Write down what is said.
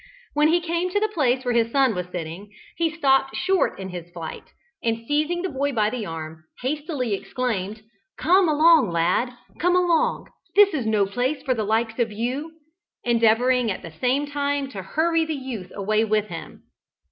When he came to the place where his son was sitting, he stopped short in his flight, and seizing the boy by the arm, hastily exclaimed, "Come along, lad, come along; this is no place for the likes of you!" endeavouring at the same time to hurry the youth away with him.